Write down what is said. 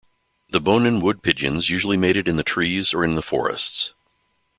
The Bonin wood pigeons usually mated in the trees or in the forests.